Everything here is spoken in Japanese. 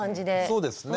そうですね。